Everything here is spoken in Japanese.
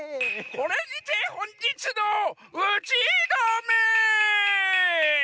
これにてほんじつのうちどめ！